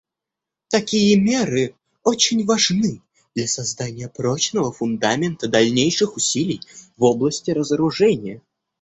Такие меры очень важны для создания прочного фундамента дальнейших усилий в области разоружения.